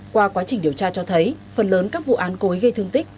qua quá trình điều tra cho thấy phần lớn các vụ án cố ý gây thương tích